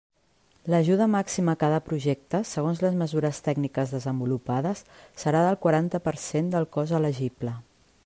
L'ajuda màxima a cada projecte, segons les mesures tècniques desenvolupades, serà del quaranta per cent del cost elegible.